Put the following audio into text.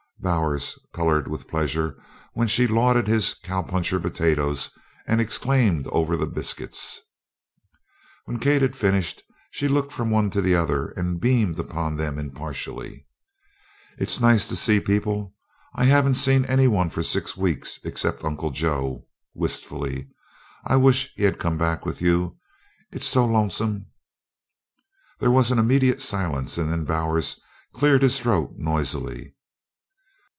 Bowers colored with pleasure when she lauded his "cowpuncher potatoes" and exclaimed over the biscuits. When Kate had finished she looked from one to the other and beamed upon them impartially. "It's nice to see people. I haven't seen any one for six weeks except Uncle Joe," wistfully. "I wish he had come back with you it's so lonesome." There was an immediate silence and then Bowers cleared his throat noisily.